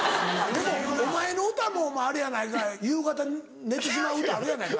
でもお前の歌もあれやないかい夕方寝てしまう歌あるやないか。